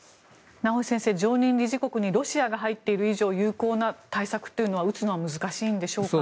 名越先生、常任理事国にロシアが入っている以上有効な対策というのは打つのは難しいんでしょうか。